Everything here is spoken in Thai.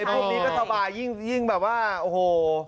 พวกนี้ก็สบายยิ่งแบบว่าโอ้โห